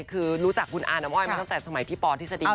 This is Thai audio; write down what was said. คือรู้จักคุณอาน้ำอ้อยมาตั้งแต่สมัยพี่ปอทฤษฎี